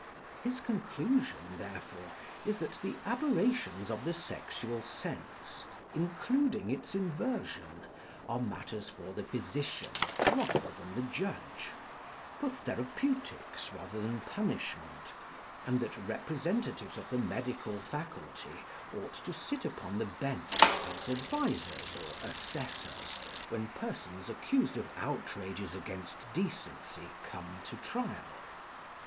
His conclusion, therefore, is that the aberrations of the sexual sense, including its inversion, are matters for the physician rather than the judge, for therapeutics rather than punishment, and that representatives of the medical faculty ought to sit upon the bench as advisers or assessors when persons accused of outrages against decency come to trial.